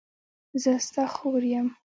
زه ستا خور یم.